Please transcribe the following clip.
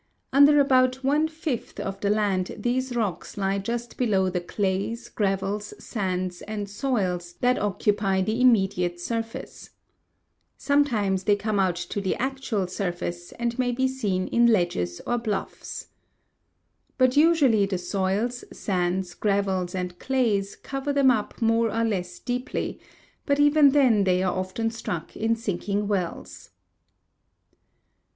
Under about one fifth of the land these rocks lie just below the clays, gravels, sands, and soils that occupy the immediate surface. Sometimes they come out to the actual surface, and may be seen in ledges or bluffs. But usually the soils, sands, gravels, and clays cover them up more or less deeply, but even then they are often struck in sinking wells.